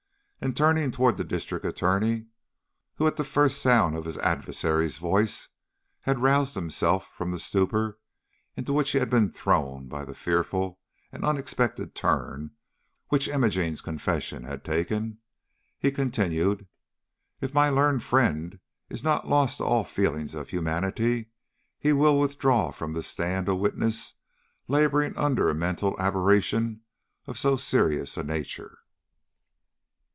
And turning toward the District Attorney, who, at the first sound of his adversary's voice, had roused himself from the stupor into which he had been thrown by the fearful and unexpected turn which Imogene's confession had taken, he continued: "If my learned friend is not lost to all feelings of humanity, he will withdraw from the stand a witness laboring under a mental aberration of so serious a nature."